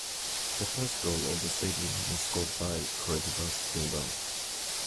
The first goal of the stadium was scored by Coritiba's Gildo.